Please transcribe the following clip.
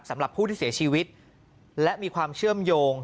สำหรับผู้ที่เสียชีวิตและมีความเชื่อมโยง